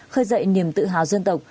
khơi dậy niềm tự hào dân tộc